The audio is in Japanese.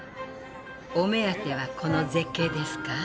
お目当てはこの絶景ですか？